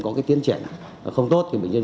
có cái tiến trẻ không tốt thì bệnh nhân